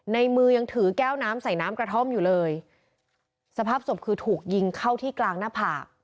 ในมือยังถือแก้วน้ำใส่น้ำกระท่อมอยู่เลยสภาพศพคือถูกยิงเข้าที่กลางหน้าผาก